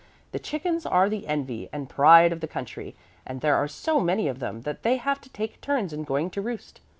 The chickens are the envy and pride of the county, and there are so many of them that they have to take turns in going to roost.